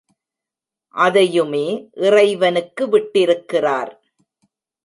அதையுமே இறைவனுக்கு விட்டிருக்கிறார்.